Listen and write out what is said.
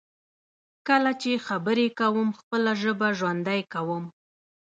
کله چې خبرې کوم، خپله ژبه ژوندی کوم.